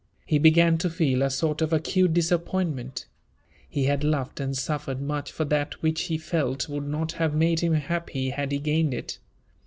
He began to feel a sort of acute disappointment. He had loved and suffered much for that which he felt would not have made him happy had he gained it.